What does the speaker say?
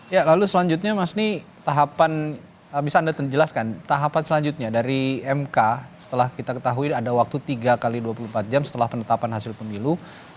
ya lalu selanjutnya mas ini tahapan bisa anda jelaskan tahapan selanjutnya dari mk setelah kita ketahui ada waktu tiga x dua puluh empat jam setelah penetapan hasil pemilu